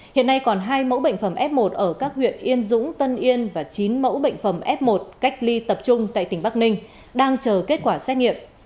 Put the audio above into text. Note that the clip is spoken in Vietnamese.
hiện nay còn hai mẫu bệnh phẩm f một ở các huyện yên dũng tân yên và chín mẫu bệnh phẩm f một cách ly tập trung tại tỉnh bắc ninh đang chờ kết quả xét nghiệm